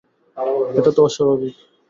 এটা তো অস্বাভাবিক।